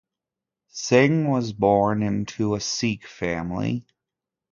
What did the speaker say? Singh was born into a Sikh family.